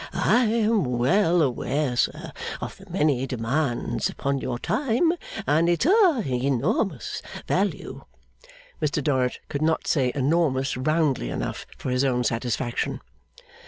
I am well aware, sir, of the many demands upon your time, and its ha enormous value,' Mr Dorrit could not say enormous roundly enough for his own satisfaction.